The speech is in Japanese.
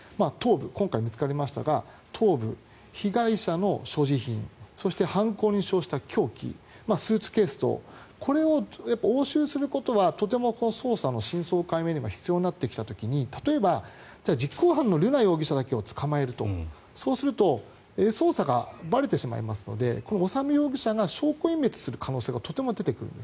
今回見つかりましたが頭部、被害者の所持品そして、犯行に使用した凶器スーツケース等これを押収することはとても捜査の真相解明にも必要になってくる時に例えば実行犯の瑠奈容疑者だけを捕まえると、そうすると捜査がばれてしまいますので修容疑者が証拠隠滅する可能性がとても出てくる。